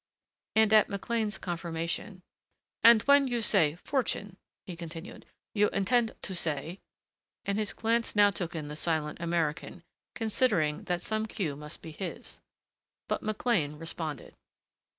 And at McLean's confirmation, "And when you say fortune," he continued, "you intend to say ?" and his glance now took in the silent American, considering that some cue must be his. But McLean responded.